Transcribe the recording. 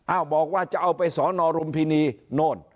บอกว่าจะเอาไปสอนอรุมพินีโน่น